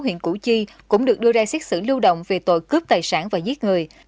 huyện củ chi cũng được đưa ra xét xử lưu động về tội cướp tài sản và giết người